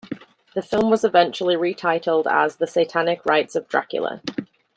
The film was eventually retitled as "The Satanic Rites of Dracula".